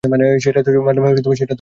মানে, সেটা তো সম্ভব।